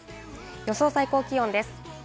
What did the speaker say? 予想最高気温です。